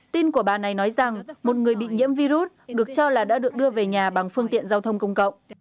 tin của bà này nói rằng một người bị nhiễm virus được cho là đã được đưa về nhà bằng phương tiện giao thông công cộng